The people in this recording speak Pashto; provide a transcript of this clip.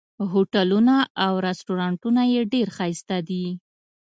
هوټلونه او رسټورانټونه یې ډېر ښایسته دي.